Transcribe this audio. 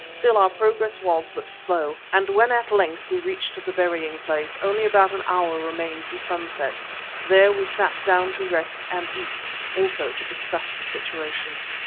Still our progress was but slow, and when at length we reached the burying place only about an hour remained to sunset. There we sat down to rest and eat, also to discuss the situation.